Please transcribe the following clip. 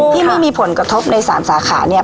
ที่มีผลกระทบใน๓สาขาเนี่ย